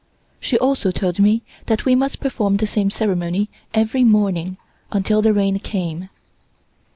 She also told me that we must perform the same ceremony every morning until the rain came.